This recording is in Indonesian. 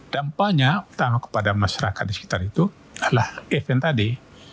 dampaknya utama kepada masyarakat di sekitar itu adalah event tadi